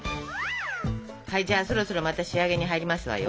じゃあそろそろまた仕上げに入りますわよ。ＯＫ。